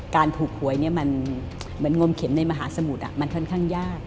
การถูกหวยมันเหมือนงมเข็มในมหาสมุทรมันค่อนข้างยาก